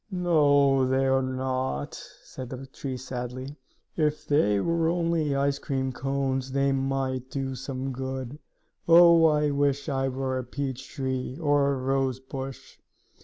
"No, they are not!" said the tree sadly. "If they were only ice cream cones they might be some good. Oh, I wish I were a peach tree, or a rose bush!"